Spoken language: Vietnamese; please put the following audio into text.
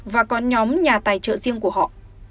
và con nhóm nhà tài trợ riêng của họ